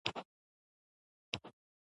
راسه زه دي هر وخت يادومه اخ د زړه سره .